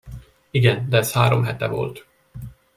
Igen, de az három hete volt.